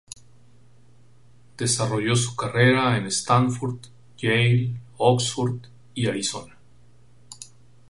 Desarrolló su carrera en Stanford, Yale, Oxford y Arizona.